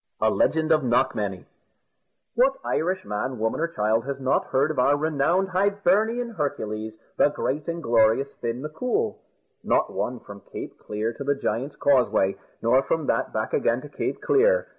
A LEGEND OF KNOCKMANY What Irish man, woman, or child has not heard of our renowned Hibernian Hercules, the great and glorious Fin M'Coul? Not one, from Cape Clear to the Giant's Causeway, nor from that back again to Cape Clear.